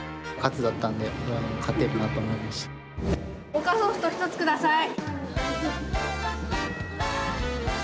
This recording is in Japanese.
モカソフト１つください。